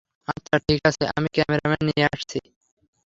আচ্ছা ঠিক আছে -আমি ক্যামেরাম্যান নিয়ে আসছি।